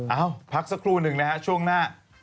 เอ้าพักสักครู่หนึ่งนะฮะช่วงหน้า